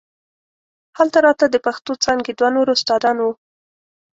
هلته راته د پښتو څانګې دوه نور استادان وو.